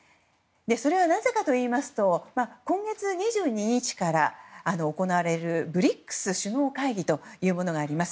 それはなぜかといいますと今月２２日から行われるＢＲＩＣＳ首脳会議というものがあります。